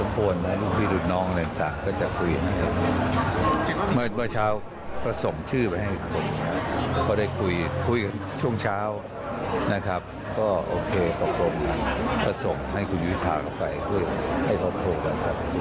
ก็โอเคตกลงกันก็ส่งให้คุณวิทาไปให้เขาโทรกัน